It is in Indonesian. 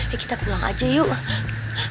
ya kita pulang aja yuk